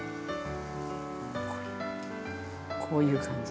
こういう感じ。